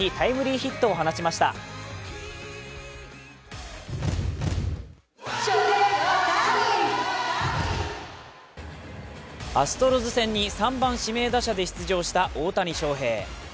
アストロズ戦に３番・指名打者で出場した大谷翔平。